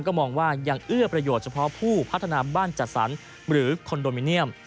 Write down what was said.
ก็มองว่ายังเอื้อประโยชน์เฉพาะผู้พัฒนาบ้านจัดสรรหรือคอนโดมิเนียม